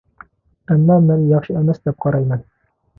ئەمما مەن ياخشى ئەمەس دەپ قارايمەن.